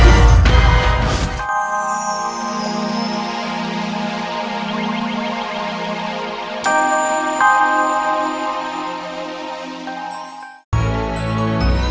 aku harus menyelidikinya